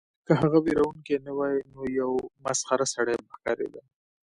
که هغه ویرونکی نه وای نو یو مسخره سړی به ښکاریده